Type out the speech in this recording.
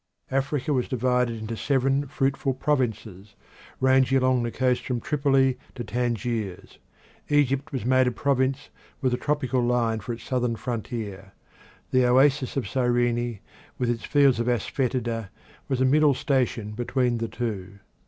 Africa was divided into seven fruitful provinces ranging along the coast from Tripoli to Tangiers. Egypt was made a province, with the tropical line for its southern frontier. The oasis of Cyrene, with its fields of asafoetida, was a middle station between the two.